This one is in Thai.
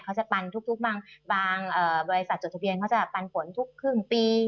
จะปันทุกบางบริษัทจดทะเบียนเขาจะปันผลทุกครึ่งปี